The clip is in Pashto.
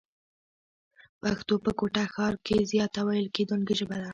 پښتو په کوټه ښار کښي زیاته ويل کېدونکې ژبه ده.